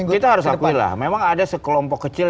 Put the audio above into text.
kita harus akui lah memang ada sekelompok kecil